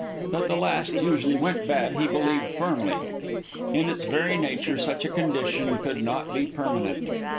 That the last usually went bad, he believed firmly. In its very nature such a condition could not be permanent.